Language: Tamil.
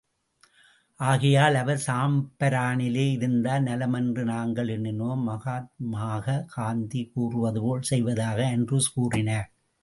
ஆகையால் அவர் சம்பரானிலே இருந்தால் நலமென்று நாங்கள் எண்ணினோம். மகாத்மாக காந்தி கூறுவது போல் செய்வதாக ஆண்ட்ரூஸ் கூறினார்.